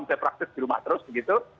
saya praktis di rumah terus begitu